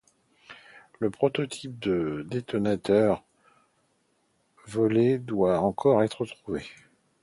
Le prototype de détonateur volé doit encore être retrouvé.